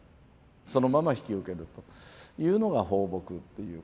そのまま引き受けるというのが抱樸っていう。